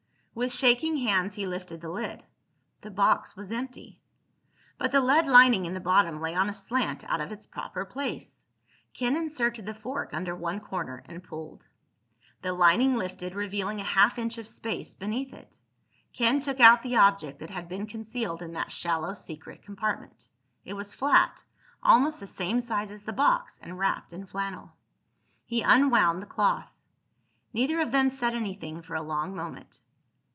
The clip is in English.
With shaking hands he lifted the lid. The box was empty. But the lead lining in the bottom lay on a slant out of its proper place. Ken inserted the fork under one corner and pulled. The lining lifted, revealing a half inch of space beneath it. Ken took out the object that had been concealed in that shallow secret compartment. It was flat, almost the same size as the box, and wrapped in flannel. He unwound the cloth. Neither of them said anything for a long moment.